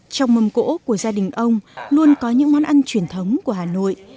trong mầm cỗ của gia đình ông luôn có những món ăn truyền thống của hà nội